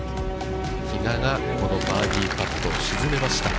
比嘉がこのバーディーパットを沈めました。